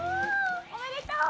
おめでとう！